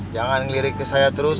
jangan lirik ke saya terus